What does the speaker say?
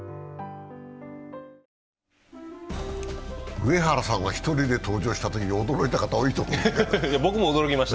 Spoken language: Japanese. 上原さんが１人で登場したときに驚いた方、多いと思います。